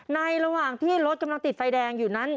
ระหว่างที่รถกำลังติดไฟแดงอยู่นั้น